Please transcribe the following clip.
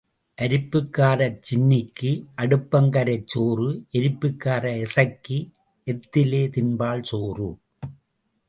அரிப்புக்காரச் சின்னிக்கு அடுப்பங்கரைச் சோறு எரிப்புக்கார எசக்கி எத்திலே தின்பாள் சோறு.